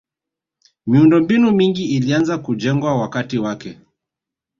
miundombinu mingi ilianza kujengwa wakati wake